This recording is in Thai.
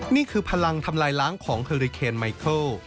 นี่คือพลังทำลายล้างของเฮอริเคนไมเคิล